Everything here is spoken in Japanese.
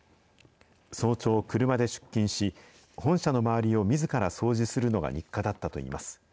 早朝、車で出勤し、本社の周りをみずから掃除するのが日課だったといいます。